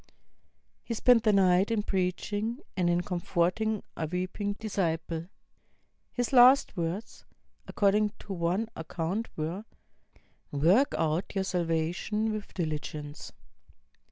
He spent the night in preaching, and in comforting a weeping disciple. His last words, according to one account, were, ''Work out your salvation with diligence."